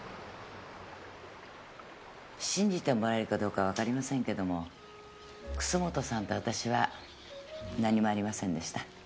信じてもらえるかどうかわかりませんけども楠本さんとあたしは何もありませんでした。